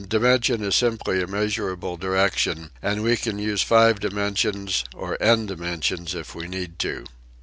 A dimension is simply a measurable direc tion and we can use five dimensions or n dimensions if we need to.